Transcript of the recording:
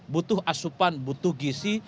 butuh asupan butuh gisi